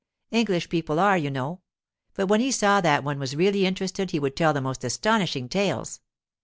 English people are, you know. But when he saw that one was really interested he would tell the most astonishing tales.